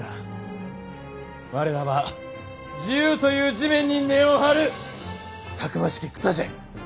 我らは自由という地面に根を張るたくましき草じゃ！